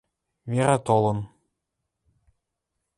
Вера толын